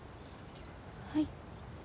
はい。